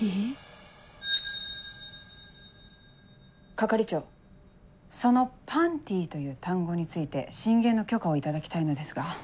係長その「パンティ」という単語について進言の許可を頂きたいのですが。